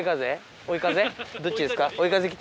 どっちですか？